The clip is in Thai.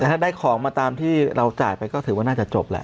แต่ถ้าได้ของมาตามที่เราจ่ายไปก็ถือว่าน่าจะจบแหละ